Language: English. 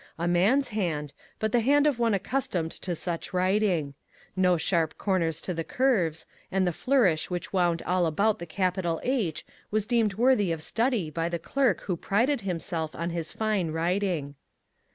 A man's hand, but the hand of one accustomed to much writing. No sharp cor ners to the curves, and the flourish which wound all about the capital H was deemed worthy of study by the clerk who prided himself on his fine writing.